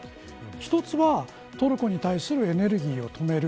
一つはトルコに対するエネルギーを止める。